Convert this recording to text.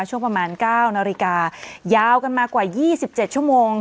ช่วงประมาณ๙นาฬิกายาวกันมากว่า๒๗ชั่วโมง